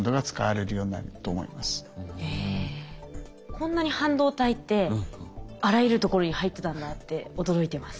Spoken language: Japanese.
こんなに半導体ってあらゆるところに入ってたんだって驚いてます。